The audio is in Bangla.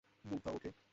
মুগ্ধা, ও কে?